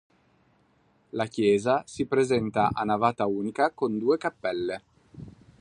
La chiesa si presenta a navata unica con due cappelle.